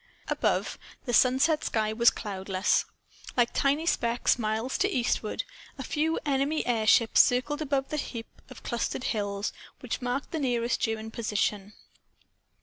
Above, the sunset sky was cloudless. Like tiny specks, miles to eastward, a few enemy airships circled above the heap of clustered hills which marked the nearest German position.